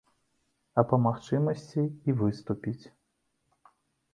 А па магчымасці і выступіць.